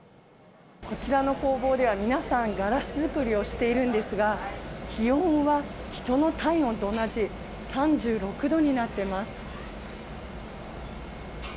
こちらの工房では、皆さん、ガラス作りをしているんですが、気温は人の体温と同じ、３６度になってます。